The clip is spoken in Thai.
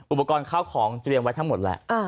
อุปกรณ์ข้าวของเตรียมไว้ทั้งหมดแหละ